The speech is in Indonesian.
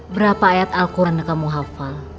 berapa ayat al quran yang kamu hafal